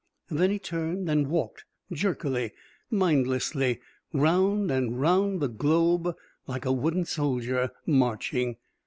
Then he turned and walked jerkily, mindlessly, round and round the globe like a wooden soldier marching.